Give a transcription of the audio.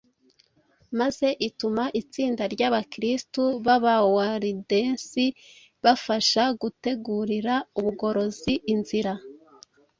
maze ituma itsinda ry’Abakristo b’Abawalidensi bafasha gutegurira ubugorozi inzira.